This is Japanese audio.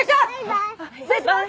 失礼します！